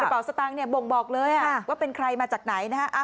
โอ้คุณป๋อยสตังฮ์บ่งบอกเลยอ่ะว่าเป็นใครมาจากไหนนะฮะ